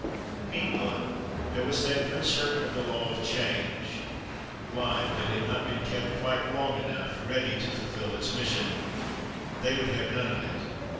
Meanwhile, there was that good servant of the law of change, lime that had not been kept quite long enough, ready to fulfil its mission; they would have none of it.